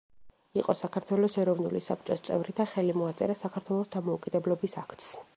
იყო საქართველოს ეროვნული საბჭოს წევრი და ხელი მოაწერა საქართველოს დამოუკიდებლობის აქტს.